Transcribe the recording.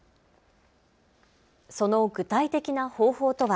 その具体的な方法とは。